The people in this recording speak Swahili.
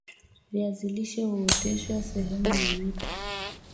viazi lishe huoteshwa sehemu yoyote